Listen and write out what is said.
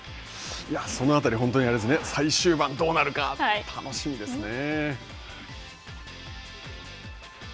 そのあたり、本当にあれですね、最終盤、どうなるか、楽しみですね。